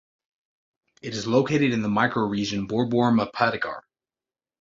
It is located in the micro region Borborema Potiguar.